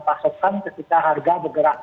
pasokan ketika harga bergerak